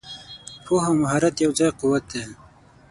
پوهه او مهارت یو ځای قوت دی.